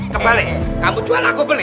kebalik kamu jual aku beli